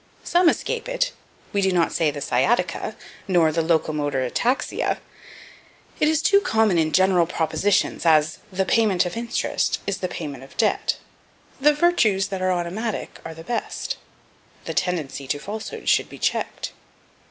Some escape it: we do not say, "the sciatica," nor "the locomotor ataxia." It is too common in general propositions, as, "The payment of interest is the payment of debt." "The virtues that are automatic are the best." "The tendency to falsehood should be checked."